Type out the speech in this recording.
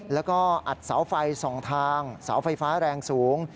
แล้วก็อัดเสาไฟ๒ทางเสาไฟฟ้าแรงสูง